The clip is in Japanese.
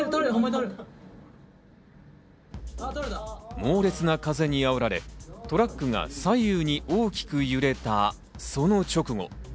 猛烈な風にあおられ、トラックが左右に大きく揺れた、その直後。